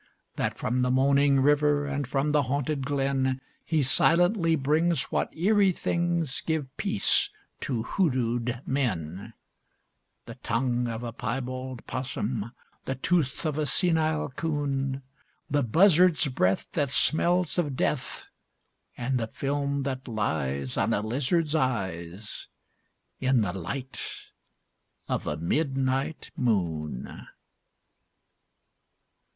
That from the moaning river And from the haunted glen He silently brings what eerie things Give peace to hoodooed men: _The tongue of a piebald 'possum, The tooth of a senile 'coon, The buzzard's breath that smells of death, And the film that lies On a lizard's eyes In the light of a midnight moon!